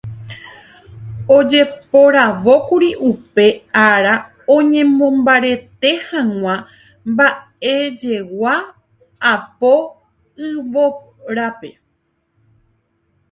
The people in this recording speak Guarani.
Ojeporavókuri upe ára oñemombarete hag̃ua mba'ejegua apo yvórape.